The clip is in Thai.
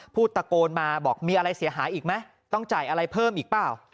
พูดตะโกนมาบอกมีอะไรเสียหายอีกไหมต้องจ่ายอะไรเพิ่มอีกเปล่า